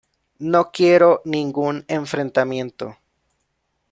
No quiero ningún enfrentamiento.